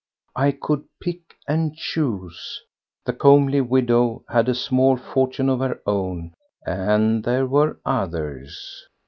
I could pick and choose! The comely widow had a small fortune of her own, and there were others!